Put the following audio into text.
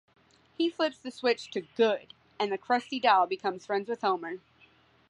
He flips the switch to "Good" and the Krusty doll becomes friends with Homer.